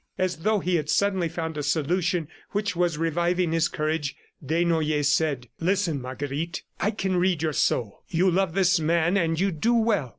... As though he had suddenly found a solution which was reviving his courage, Desnoyers said: "Listen, Marguerite: I can read your soul. You love this man, and you do well.